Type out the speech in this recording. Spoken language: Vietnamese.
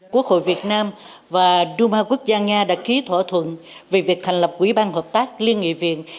quốc hội việt nam và đu ma quốc gia nga đã ký thỏa thuận về việc thành lập ủy ban hợp tác liên nghị viện